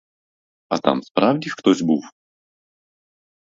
А там справді хтось був.